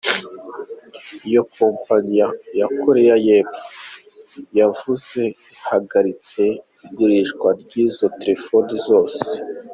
Iyo kompanyi ya Korea y’epfo yavuze ihagaritse igurishwa ry’izo telefone zose.